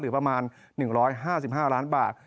ประมาณ๑๕๕ล้านบาท